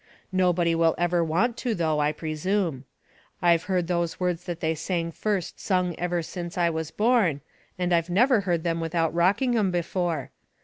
Nobody will ever want to, though, I presume. I've heard those words that they sang first sung ever since I was born, and I never heard them without Rockingham before.